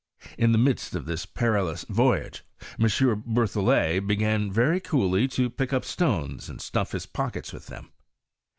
In the midst of this perilous voyage, M. Berthollet began very coolly to pick up stones and stuif his pockets with them.